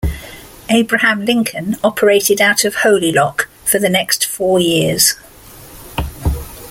"Abraham Lincoln" operated out of Holy Loch for the next four years.